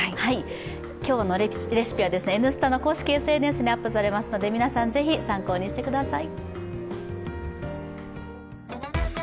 今日のレシピは「Ｎスタ」の公式ＳＮＳにアップされますので皆さん、ぜひ参考にしてみてください。